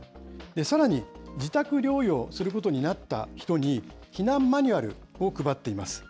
さらに自宅療養することになった人に、避難マニュアルを配っています。